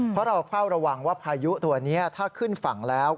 เพราะเราเฝ้าระวังว่าพายุตัวนี้ถ้าขึ้นฝั่งแล้ว